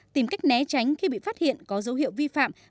tìm cách né tránh khi bị phát hiện có dấu hiệu vi phạm